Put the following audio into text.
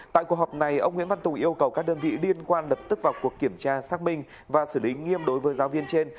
tại cuộc họp này ông nguyễn văn tùng yêu cầu các đơn vị liên quan lập tức vào cuộc kiểm tra xác minh và xử lý nghiêm đối với giáo viên trên